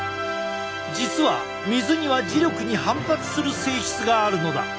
実は水には磁力に反発する性質があるのだ。